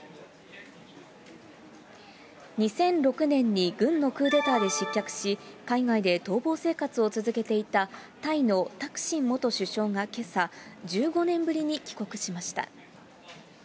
２００６年に軍のクーデターで失脚し、海外で逃亡生活を続けていたタイのタクシン元首相が、けさ、１５年ぶりに帰国しました。